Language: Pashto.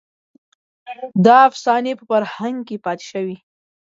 دا افسانې په فرهنګ کې پاتې شوې.